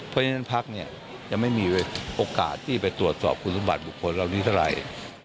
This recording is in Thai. เพราะฉะนั้นพรรคจะไม่มีโอกาสที่ไปตรวจสอบคุณภัทรบุคคลเรานิทรัย